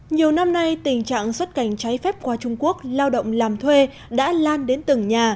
nhiều năm nay tình trạng xuất cảnh trái phép qua trung quốc lao động làm thuê đã lan đến từng nhà